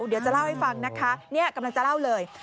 เดี๋ยวจะเล่าให้ฟังนะคะนี่กำลังจะเล่าเลย